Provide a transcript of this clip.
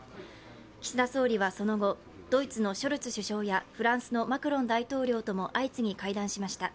岸田総理はその後、ドイツのショルツ首相やフランスのマクロン大統領とも相次ぎ会談しました。